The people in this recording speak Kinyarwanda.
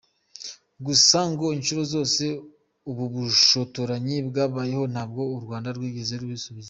Gusa ngo inshuro zose ubu bushotoranyi bwabayeho, ntabwo u Rwanda rwigeze rusubiza.